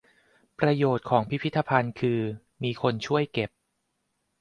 ประโยชน์ของพิพิธภัณฑ์คือ มีคนช่วยเก็บ